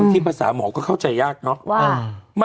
ที่ภาษาหมอก็เข้าใจยากเนอะ